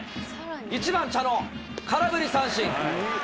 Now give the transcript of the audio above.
１番茶野、空振り三振。